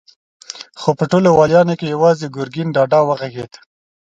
خو په ټولو واليانو کې يواځې ګرګين ډاډه وغږېد.